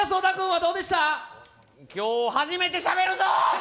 今日初めてしゃべるぞ！